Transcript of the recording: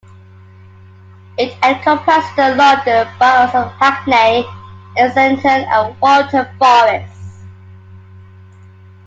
It encompasses the London Boroughs of Hackney, Islington and Waltham Forest.